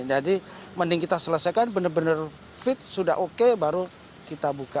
jadi mending kita selesaikan benar benar fit sudah oke baru kita buka